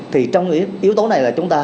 thì trong yếu tố này là chúng ta